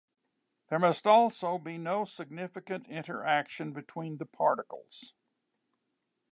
There must also be no significant interaction between the particles.